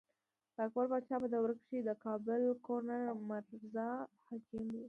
د اکبر باچا په دور کښې د کابل ګورنر مرزا حکيم وو۔